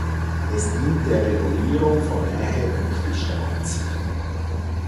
Es dient der Regulierung von Nähe und Distanz.